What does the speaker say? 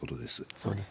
そうですね。